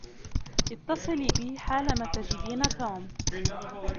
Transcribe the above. اتّصلي بي حالما تجدين توم.